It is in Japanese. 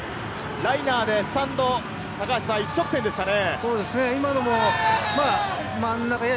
ライナーでスタンド一直線でしたね。